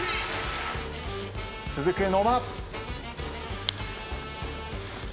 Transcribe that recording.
続く野間。